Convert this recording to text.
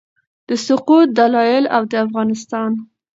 د سقوط دلایل او د افغانستان